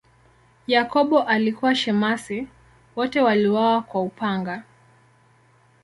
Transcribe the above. Yakobo alikuwa shemasi, wote waliuawa kwa upanga.